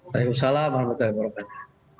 waalaikumsalam warahmatullahi wabarakatuh